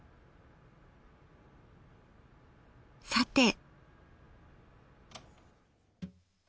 さて。